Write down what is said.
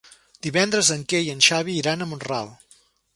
Divendres en Quer i en Xavi iran a Mont-ral.